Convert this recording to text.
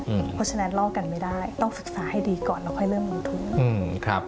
เพราะฉะนั้นเล่ากันไม่ได้ต้องศึกษาให้ดีก่อนแล้วค่อยเริ่มลงทุน